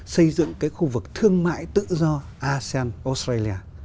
xây dựng cái khu vực thương mại tự do asean australia